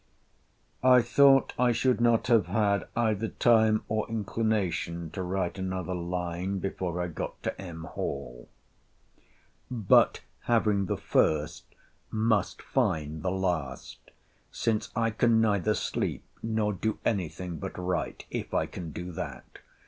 I thought I should not have had either time or inclination to write another line before I got to M. Hall. But, having the first, must find the last; since I can neither sleep, nor do any thing but write, if I can do that.